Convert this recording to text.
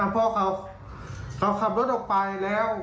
พ่อเขาขับรถออกไปแล้ว